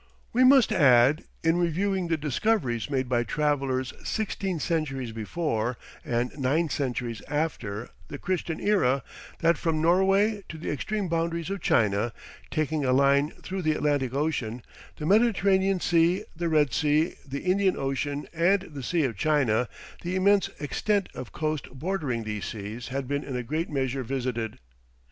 We must add, in reviewing the discoveries made by travellers sixteen centuries before, and nine centuries after, the Christian era, that from Norway to the extreme boundaries of China, taking a line through the Atlantic ocean, the Mediterranean Sea, the Red Sea, the Indian Ocean, and the Sea of China, the immense extent of coast bordering these seas had been in a great measure visited.